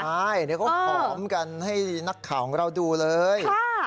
ใช่เดี๋ยวเขาหอมกันให้นักข่าวของเราดูเลย